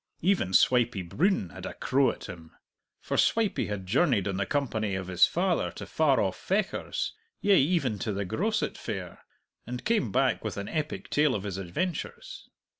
Even Swipey Broon had a crow at him. For Swipey had journeyed in the company of his father to far off Fechars, yea even to the groset fair, and came back with an epic tale of his adventures.